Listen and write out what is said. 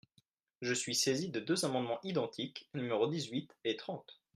Je suis saisie de deux amendements identiques, numéros dix-huit et trente.